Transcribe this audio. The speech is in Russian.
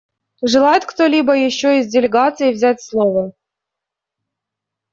Желает кто-либо еще из делегаций взять слово?